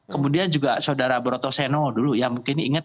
kemudian juga saudara broto seno dulu ya mungkin inget kemarin ya